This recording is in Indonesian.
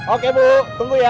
oke bu tunggu ya